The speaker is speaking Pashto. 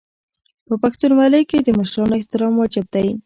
په پښتونولۍ کې د مشرانو احترام واجب دی.